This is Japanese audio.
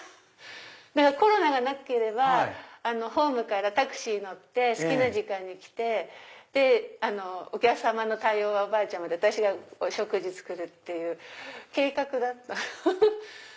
コロナがなければホームからタクシーに乗って好きな時間に来てお客様の対応はおばあちゃまで私がお食事を作るっていう計画だった。